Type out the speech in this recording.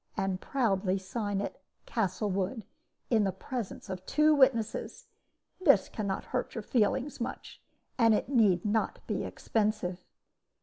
and proudly sign it "Castlewood," in the presence of two witnesses. This can not hurt your feelings much, and it need not be expensive.'